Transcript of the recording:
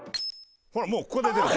「ほらもうここで出る」「」